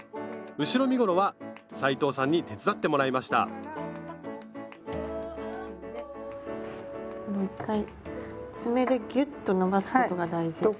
後ろ身ごろは斉藤さんに手伝ってもらいました１回爪でギュッと伸ばすことが大事。